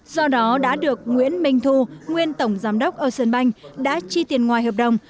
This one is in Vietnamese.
do đó đã được nguyễn minh thu nguyên tổng giám đốc ocean bank đã chi tiền ngoài hợp đồng